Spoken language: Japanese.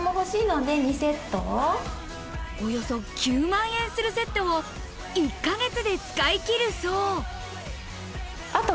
およそ９万円するセットを１か月で使い切るそうあと。